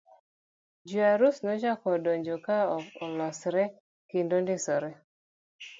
Jo arus nochako donjo ka olosre kendo ondisore.